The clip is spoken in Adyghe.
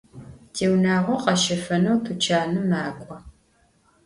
Tiunağo kheşefeneu tuçanım mak'o.